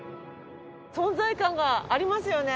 存在感がありますよね。